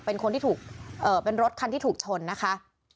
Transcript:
เป็นรถคันที่ถูกชนนะคะ